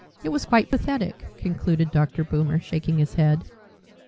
It was quite pathetic," concluded Dr. Boomer, shaking his head.